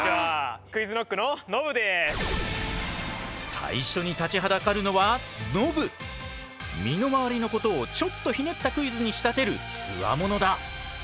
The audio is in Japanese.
最初に立ちはだかるのは身の回りのことをちょっとひねったクイズに仕立てるつわものだ。